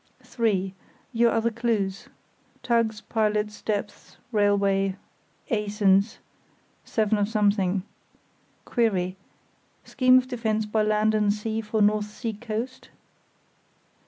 (3) Your other clews (tugs, pilots, depths, railway, Esens, seven of something). Querry: Scheme of defence by land and sea for North Sea Coast?